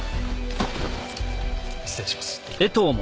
失礼します。